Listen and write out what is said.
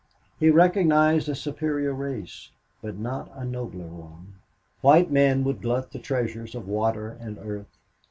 He recognized a superior race, but not a nobler one. White men would glut the treasures of water and earth.